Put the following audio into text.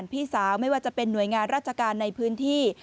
พี่สาวไม่ว่าจะเป็นหน่วยงานราชการในพื้นที่